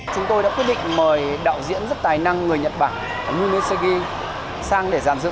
chúng tôi đã quyết định mời đạo diễn rất tài năng người nhật bản nguyên nguyễn sê ki sang để giàn dựng